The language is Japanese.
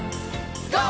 ＧＯ！